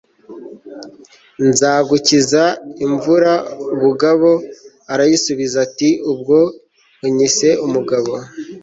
nazagukiza imvura bugabo arayisubiza ati ubwo unyise umugabo